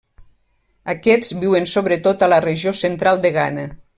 Aquests viuen sobretot a la regió Central de Ghana.